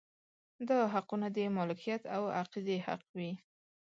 دا حقونه د مالکیت او عقیدې حق وي.